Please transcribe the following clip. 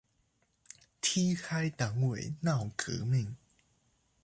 踢開黨委鬧革命